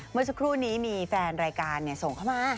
เมื่อสักครู่นี้มีแฟนรายการส่งเข้ามา